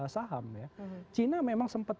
saham ya china memang sempat